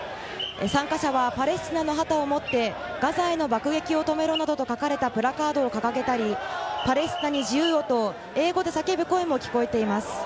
参加者はパレスチナの旗を持ってガザへの爆撃を止めろなどと書かれたプラカードを掲げたり、パレスチナに自由をと英語で叫ぶ声も聞こえています。